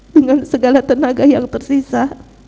dengan segala tenaga yang tersisa